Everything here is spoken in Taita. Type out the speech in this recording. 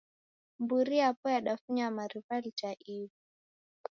Mburi yapo yadafunya mariw'a lita iw'i.